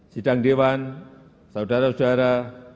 sidang dewan saudara saudara